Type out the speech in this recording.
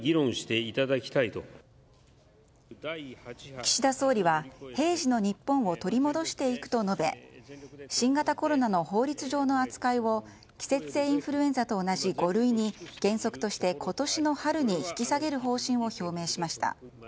岸田総理は、平時の日本を取り戻していくと述べ新型コロナの法律上の扱いを季節性インフルエンザと同じ五類に原則として今年の春に引き下げる方針を表明しました。